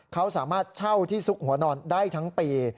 เขาสามารถเช่าที่ซุกหัวนอนได้ทั้งปี